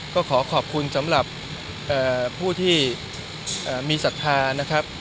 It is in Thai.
ก็ขอขอบคุณสำหรับผู้ที่มีศรัทธานะครับ